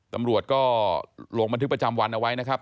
ตำรวจก็ลงบันทึกประจำวันเอาไว้นะครับ